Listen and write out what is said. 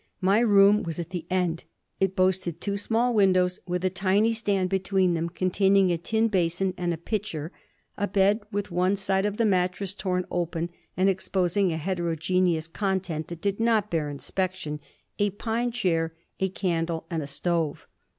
My room was at the end. It boasted two small windows, with a tiny stand between them containing a tin basin and a pitcher; a bed with one side of the mattress torn open and exposing a heterogeneous content that did not bear inspection; a pine chair, a candle and a stove.